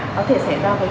có thể xảy ra với con